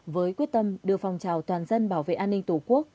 với quyết tâm đưa phòng trào toàn dân bảo vệ an ninh tổ quốc